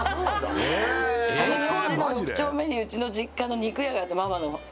狸小路の６丁目にうちの実家の肉屋があってママの。